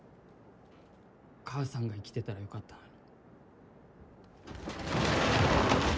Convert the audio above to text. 母さんが生きてたらよかったのに。